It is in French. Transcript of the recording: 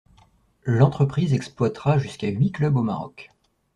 L'entreprise exploitera jusqu'à huit clubs au Maroc.